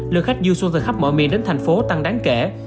lượt khách du xuân từ khắp mọi miền đến tp hcm tăng đáng kể